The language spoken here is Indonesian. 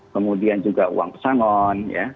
kemudian juga uang pesangon